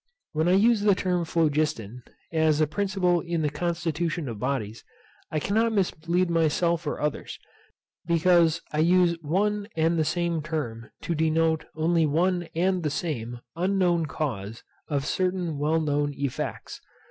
When I use the term phlogiston, as a principle in the constitution of bodies, I cannot mislead myself or others, because I use one and the same term to denote only one and the same unknown cause of certain well known effects.